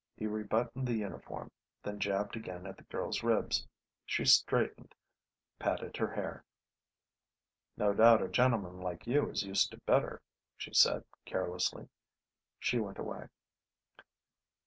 He rebuttoned the uniform, then jabbed again at the girl's ribs. She straightened, patted her hair. "No doubt a gentleman like you is used to better," she said carelessly. She went away.